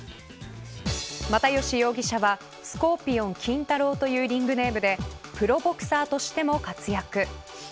又吉容疑者はスコーピオン金太郎というリングネームでプロボクサーとしても活躍。